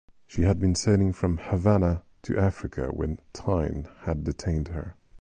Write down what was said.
She had been sailing from Havana to Africa when "Tyne" had detained her.